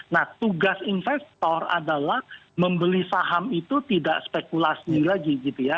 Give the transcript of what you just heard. nah tugas investor adalah membeli saham itu tidak spekulasi lagi gitu ya